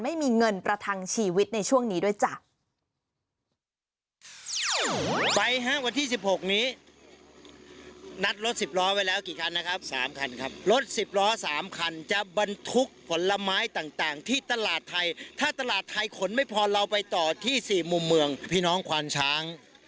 ไม่มีเงินประทังชีวิตในช่วงนี้ด้วยจ้ะ